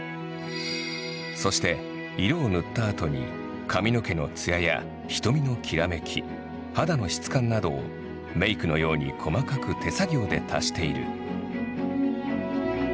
そして色を塗ったあとに髪の毛のつやや瞳のきらめき肌の質感などをメイクのように細かく手作業で足している。